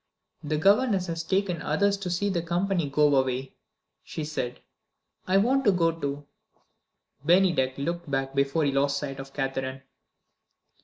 "The governess has taken the others to see the company go away," she said; "I want to go too." Bennydeck looked back before he lost sight of Catherine.